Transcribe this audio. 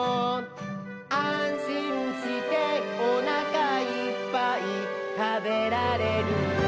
「あんしんしておなかいっぱいたべられる」